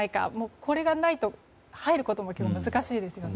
これがないと入ることも難しいですよね。